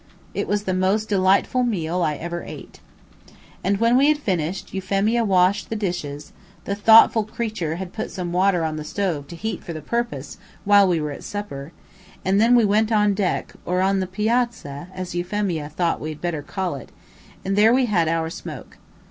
It was the most delightful meal I ever ate! And, when we had finished, Euphemia washed the dishes (the thoughtful creature had put some water on the stove to heat for the purpose, while we were at supper) and then we went on deck, or on the piazza, as Euphemia thought we had better call it, and there we had our smoke.